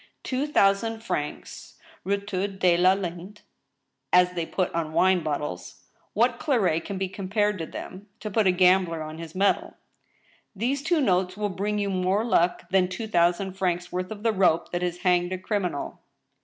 Two thousand francs — retour tie la Vlnde, as they put on wine bottles — what claret can be compared to them, to put a gambler on his mettle ? These two notes will bring you more luck than two thou sand francs' worth of the rope that has hanged a criminal.